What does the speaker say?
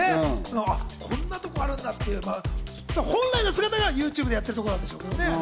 こんなところあるんだって、本来の姿がＹｏｕＴｕｂｅでやってるところなんでしょうね。